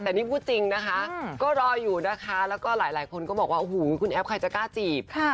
แต่นี่พูดจริงนะคะก็รออยู่นะคะแล้วก็หลายคนก็บอกว่าโอ้โหคุณแอฟใครจะกล้าจีบ